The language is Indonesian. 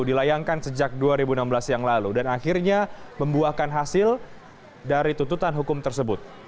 dilayangkan sejak dua ribu enam belas yang lalu dan akhirnya membuahkan hasil dari tuntutan hukum tersebut